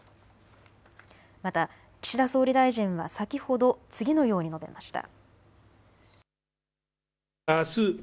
また岸田総理大臣は先ほど次のように述べました。